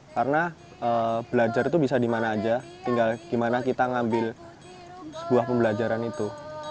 karena belajar itu bisa di mana aja tinggal gimana kita ngambil sebuah pembelajaran itu